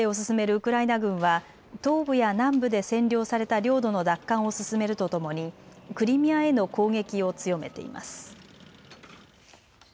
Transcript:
ウクライナ軍は東部や南部で占領された領土の奪還を進めるとともにクリミアへの攻撃を強めています。